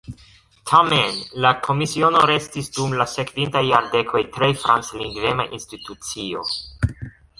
Tamen la Komisiono restis dum la sekvintaj jardekoj tre franclingvema institucio.